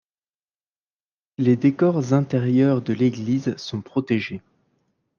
Les décors intérieurs de l'église sont protégés.